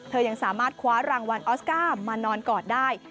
ยังสามารถคว้ารางวัลออสการ์มานอนกอดได้